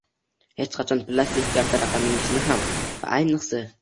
Hech qachon plastik karta raqamingizni ham va ayniqsa